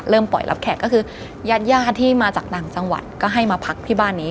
ปล่อยรับแขกก็คือญาติญาติที่มาจากต่างจังหวัดก็ให้มาพักที่บ้านนี้